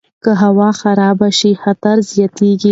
که هوا خرابه شي، خطر زیاتیږي.